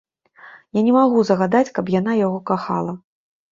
Я не магу загадаць, каб яна яго кахала.